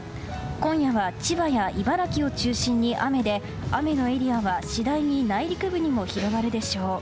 今夜は千葉や茨城を中心に雨で雨のエリアは次第に内陸部にも広がるでしょう。